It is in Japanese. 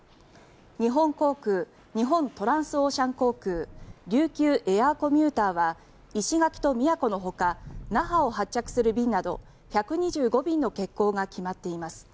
日本航空日本トランスオーシャン航空琉球エアーコミューターは石垣と宮古の他那覇を発着する便など１２５便の欠航が決まっています。